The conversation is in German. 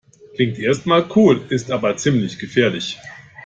Klingt erst mal cool, ist aber ziemlich gefährlich.